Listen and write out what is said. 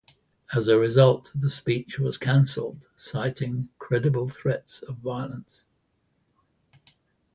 As a result, the speech was cancelled, citing "credible threats of violence".